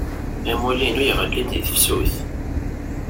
Amulli-inu iɣelli-d deg tefsut.